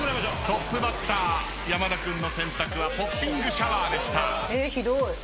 トップバッター山田君の選択はポッピングシャワーでした。